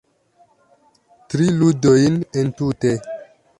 Tri ludojn entute